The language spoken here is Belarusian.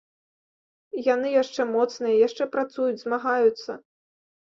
Яны яшчэ моцныя, яшчэ працуюць, змагаюцца.